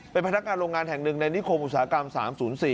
เป็นพนักงานโรงงานแห่งหนึ่งในนิโครงอุตสาหกรรมสามศูนย์สี่